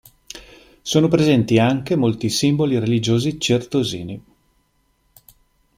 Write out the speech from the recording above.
Sono presenti anche molti simboli religiosi certosini.